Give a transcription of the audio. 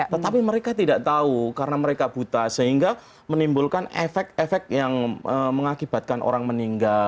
tetapi mereka tidak tahu karena mereka buta sehingga menimbulkan efek efek yang mengakibatkan orang meninggal